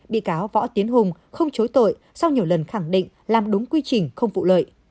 bị cáo võ tiến hùng không chối tội sau nhiều lần khẳng định làm đúng quy trình không vụ lợi